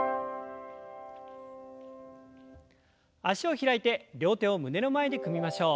脚を開いて両手を胸の前で組みましょう。